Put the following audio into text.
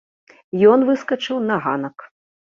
Ён выскачыў на ганак.